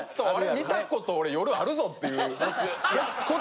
見たこと俺夜あるぞっていう。